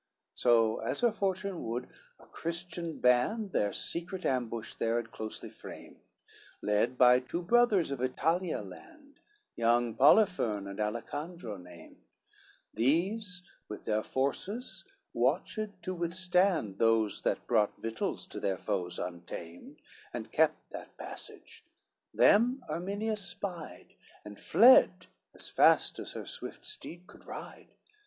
CVII So as her fortune would, a Christian band Their secret ambush there had closely framed, Led by two brothers of Italia land, Young Poliphern and Alicandro named, These with their forces watched to withstand Those that brought victuals to their foes untamed, And kept that passage; them Erminia spied, And fled as fast as her swift steed could ride.